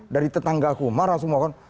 dari tetangga aku marah semua kan